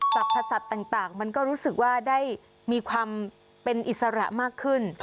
พสัตว์ต่างมันก็รู้สึกว่าได้มีความเป็นอิสระมากขึ้น